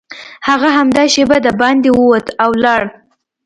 هغه همدا شېبه دباندې ووت او لاړ